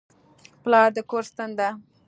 پلار د کور ستن ده.